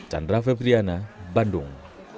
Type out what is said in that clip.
chandra febriana bandung